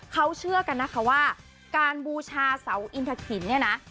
เขาเชื่อกันนะคะว่าการบูชาเสาอินทะขินเนี่ยนะ